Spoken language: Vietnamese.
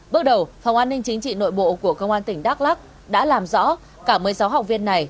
bước đầu phòng an ninh chính trị nội bộ của công an tỉnh đắk lắc đã làm rõ cả một mươi sáu học viên này